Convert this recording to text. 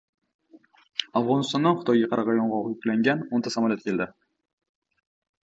Afg‘onistondan Xitoyga qarag‘ay yong‘og‘i yuklangan o'n ta samolyot keldi